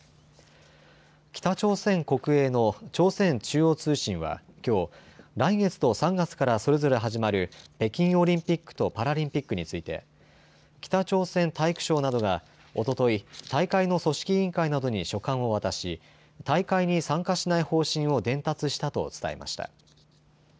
北朝鮮国営の朝鮮中央通信はきょう、来月と３月からそれぞれ始まる北京オリンピックとパラリンピックについて北朝鮮体育省などがおととい大会の組織委員会などに書簡を渡し大会に参加しない方針を伝達したと伝えました。